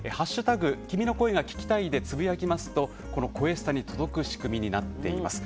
君の声が聴きたいでつぶやきますとこの「こえスタ」に届く仕組みになっています。